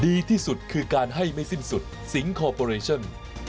ดีที่สุดคือการให้ไม่สิ้นสุดสิงคอร์ปอเรชั่น